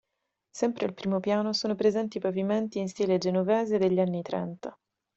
Sempre al primo piano sono presenti pavimenti in stile genovese degli anni trenta.